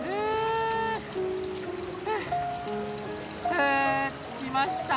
ふう着きました！